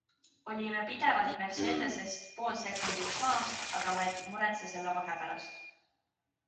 Olime pidevalt Mercdestest pool sekundit maas, aga ma ei muretse selle vahe pärast.